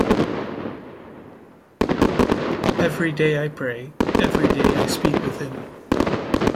Every day I pray; every day I speak with Him.